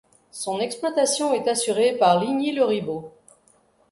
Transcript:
Son exploitation est assurée par Ligny le Ribault.